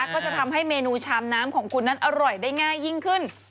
ก็จะทำให้เมนูชามน้ำของคุณนั้นอร่อยได้ง่ายยิ่งขึ้น